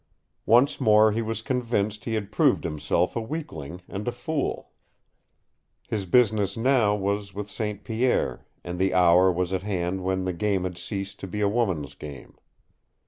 Once more he was convinced he had proved himself a weakling and a fool. His business now was with St. Pierre, and the hour was at hand when the game had ceased to be a woman's game.